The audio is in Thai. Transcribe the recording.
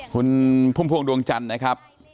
คุณพุ่มพวงดวงจันทร์นะครับ